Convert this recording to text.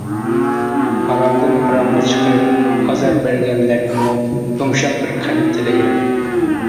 ھارامدىن ھارامغا چىقىرىپ ئازار بەرگەنلەرگىمۇ يۇمشاق بىر قەلب تىلەيمەن.